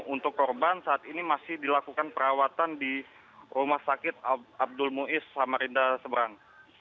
untuk korban saat ini masih dilakukan perawatan di rumah sakit abdul muiz samarinda seberang